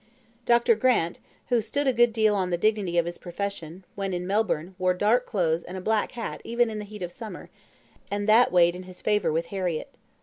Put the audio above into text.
Dr. Grant, who stood a good deal on the dignity of his profession, when in Melbourne wore dark clothes and a black hat even in the heat of summer, and that weighed in his favour with Harriett.